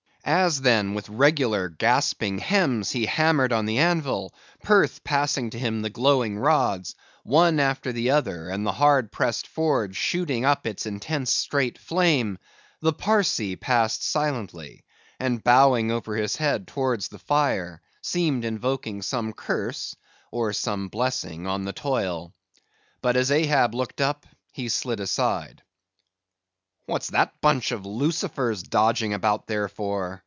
As, then, with regular, gasping hems, he hammered on the anvil, Perth passing to him the glowing rods, one after the other, and the hard pressed forge shooting up its intense straight flame, the Parsee passed silently, and bowing over his head towards the fire, seemed invoking some curse or some blessing on the toil. But, as Ahab looked up, he slid aside. "What's that bunch of lucifers dodging about there for?"